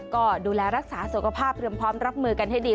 ก็ดูแลรักษาสุขภาพเตรียมพร้อมรับมือกันให้ดี